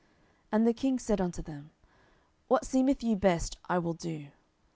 10:018:004 And the king said unto them, What seemeth you best I will do.